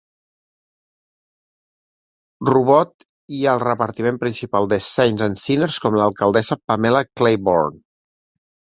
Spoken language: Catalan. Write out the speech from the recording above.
Robot i al repartiment principal de Saints and Sinners com l'alcaldessa Pamela Clayborne.